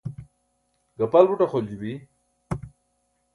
gapal buṭ axolji bi